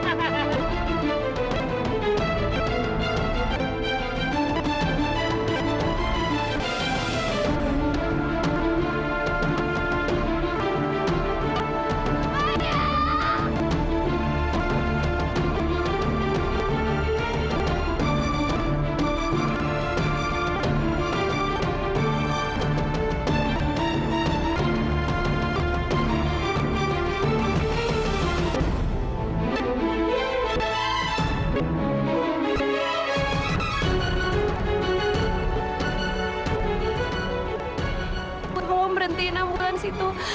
aku mau berhenti nambulan situ